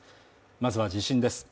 まずは地震です。